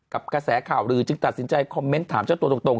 กระแสข่าวลือจึงตัดสินใจคอมเมนต์ถามเจ้าตัวตรง